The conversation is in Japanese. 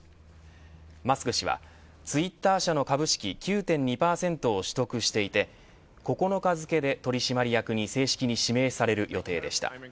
マスク氏はツイッター社の株式９．２％を取得していて９日付で取締役に正式に指名される予定でした。